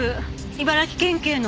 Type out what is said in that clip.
茨城県警の。